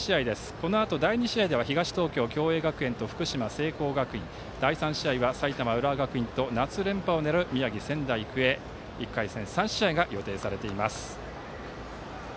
このあと第２試合では東東京の共栄学園と福島の聖光学院第３試合は、埼玉の浦和学院と夏連覇を狙う宮城の仙台育英１回戦３試合が予定されています。